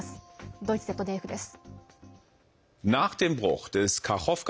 ドイツＺＤＦです。